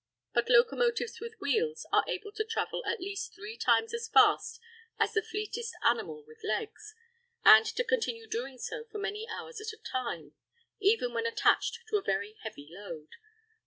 But locomotives with wheels are able to travel at least three times as fast as the fleetest animal with legs, and to continue doing so for many hours at a time, even when attached to a very heavy load.